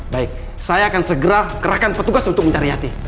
baik saya akan segera kerahkan petugas untuk mencari hati